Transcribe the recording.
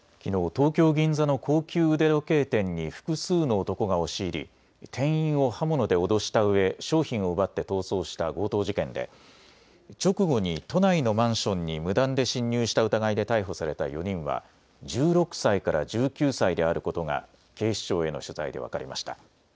東京銀座の高級腕時計店に複数の男が押し入り店員を刃物で脅したうえ商品を奪って逃走した強盗事件で直後に都内のマンションに無断で侵入した疑いで逮捕された４人は１６歳から１９歳であることが警視庁への取材で分かりました。